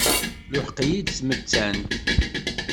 Tluḥeq-iyi-d tmettant.